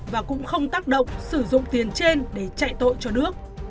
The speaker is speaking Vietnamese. và cũng không tác động sử dụng tiền trên để chạy tội cho đước